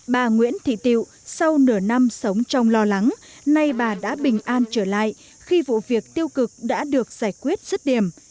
bà nguyễn thị tiệu sau nửa năm sống trong lo lắng nay bà đã bình an trở lại khi vụ việc tiêu cực đã được giải quyết rứt điểm